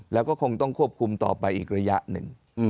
แล้วก็คงต้องควบคุมต่อไปอีกระยะหนึ่ง